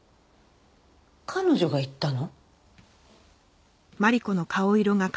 彼女が言ったの？